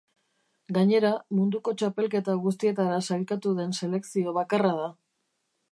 Gainera, munduko txapelketa guztietara sailkatu den selekzio bakarra da.